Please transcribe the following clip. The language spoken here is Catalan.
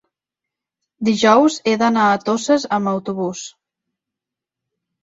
dijous he d'anar a Toses amb autobús.